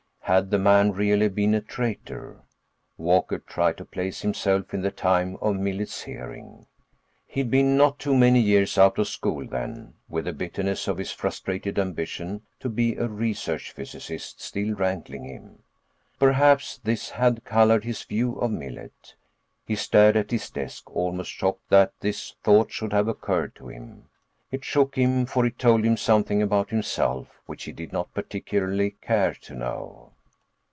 Had the man really been a traitor? Walker tried to place himself in the time of Millet's hearing. He'd been not too many years out of school then, with the bitterness of his frustrated ambition to be a research physicist still rankling him; perhaps this had colored his view of Millet. He stared at his desk, almost shocked that this thought should have occurred to him. It shook him, for it told him something about himself which he did not particularly care to know.